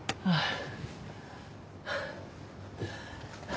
ああ。